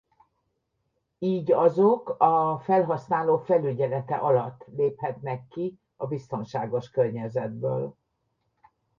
Így azok a felhasználó felügyelete alatt léphetnek ki a biztonságos környezetből.